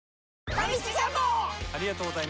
ファミチキジャンボ！